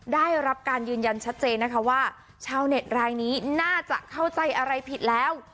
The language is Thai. ได้รับการยืนยันชัดเจนนะคะว่าชาวเน็ตรายนี้น่าจะเข้าใจอะไรผิดแล้ว